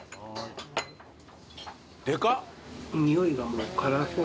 でかっ！